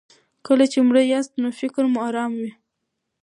کله چې مړه یاست نو فکر مو ارام وي.